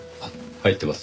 入ってます。